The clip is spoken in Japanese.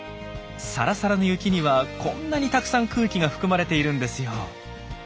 サラサラの雪にはこんなにたくさん空気が含まれているんですよ。